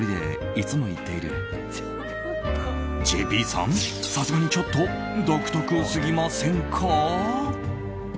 ＪＰさん、さすがにちょっと独特すぎませんか？